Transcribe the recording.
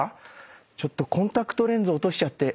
「コンタクトレンズ落としちゃって」